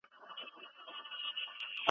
ټول افغانان مقاومت وکړ